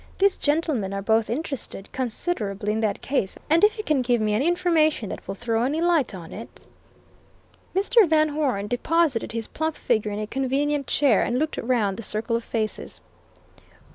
These gentlemen are both interested considerably in that case, and if you can give me any information that will throw any light on it " Mr. Van Hoeren deposited his plump figure in a convenient chair and looked round the circle of faces.